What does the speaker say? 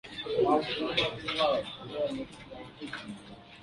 His father was a weaver of Jewish origin.